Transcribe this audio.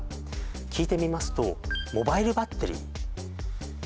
聞いてみますとモバイルバッテリー